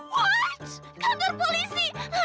what kantor polisi